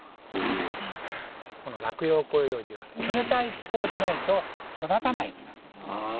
落葉広葉樹は冷たい気候でないと育たない木なんです。